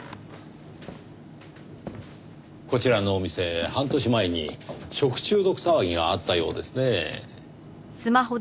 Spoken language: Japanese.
こちらのお店半年前に食中毒騒ぎがあったようですねぇ。